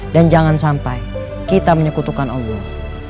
dan jangan sampai kita menyekutukan allah